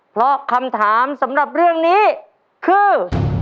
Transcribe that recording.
เพราะคำถามสำหรับเรื่องนี้คือ